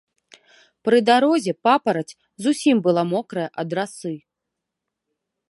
Пры дарозе папараць зусім была мокрая ад расы.